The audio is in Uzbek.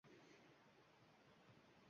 Yoki bu quruq gapmi?